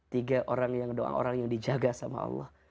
tiga orang yang doa orang yang dijaga sama allah